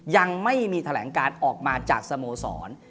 ยังไม่มีแถลงการออกมาจากสโมสร